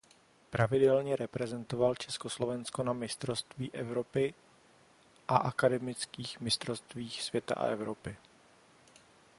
Pravidelně reprezentoval Československo na mistrovství Evropy a akademických mistrovstvích světa a Evropy.